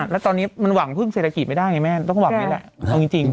แล้วตอนนี้มันหวังพึ่งเศรษฐกิจไม่ได้ไงแม่ต้องหวังนี้แหละเอาจริง